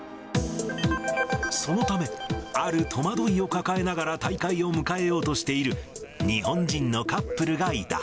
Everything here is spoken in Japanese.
そのため、ある戸惑いを抱えながら大会を迎えようとしている日本人のカップルがいた。